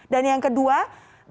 dan yang kedua bagaimana